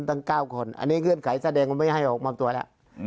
ตั้ง๙คนอันนี้เงื่อนไขแสดงว่าไม่ให้ออกมาตัวแล้ว